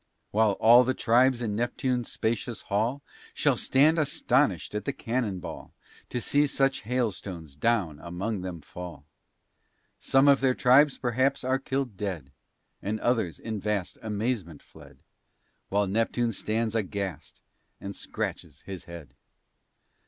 While all the tribes in Neptune's spacious hall, Shall stand astonish'd at the cannon ball; To see such hail stones down among them fall. Some of their tribes perhaps are killed dead, And others in a vast amazement fled, While Neptune stands aghast and scratch's his head.